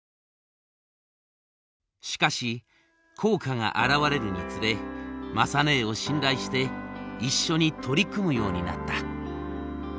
しかし効果が現れるにつれ雅ねえを信頼して一緒に取り組むようになった。